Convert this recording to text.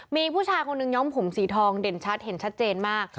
มีผู้ชายคนหนึ่งย้อมผมสีทองเด่นชัดเห็นชัดเจนมาก